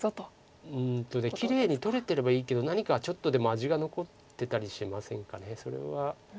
きれいに取れてればいいけど何かちょっとでも味が残ってたりしませんかそれは。